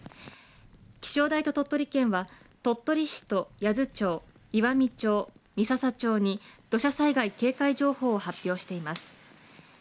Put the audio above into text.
気象台と鳥取県は鳥取市と八頭町岩美町、三朝町に土砂災害警戒情報を発表しています。